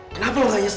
kenapa lo gak nyesel